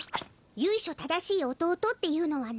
ゆいしょ正しい弟っていうのはね。